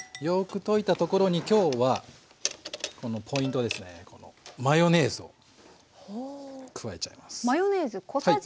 よく溶いたところに今日はこのポイントですねマヨネーズを加えちゃいます。